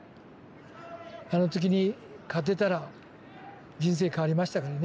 あの時に勝てたら人生変わりましたからね。